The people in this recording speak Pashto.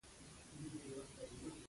دوی کولای شي خپل پلویان خشونت ته راوبولي